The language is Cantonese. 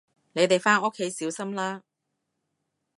你哋返屋企小心啦